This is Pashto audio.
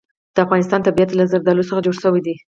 د افغانستان طبیعت له زردالو څخه جوړ شوی دی.